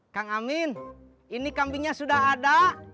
kang amin ini kambingnya sudah ada